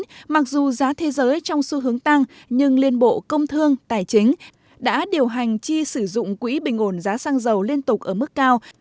liên bộ trong ba tháng đầu năm hai nghìn một mươi chín mặc dù giá thế giới trong xu hướng tăng nhưng liên bộ công thương tài chính đã điều hành chi sử dụng quỹ bình ổn giá xăng dầu liên tục ở mức cao